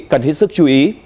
cần hết sức chú ý